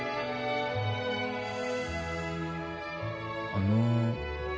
あの。